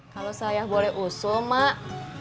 kalau saya boleh usul emak